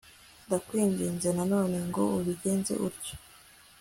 ndakwinginze na none ngo ubigenze utyo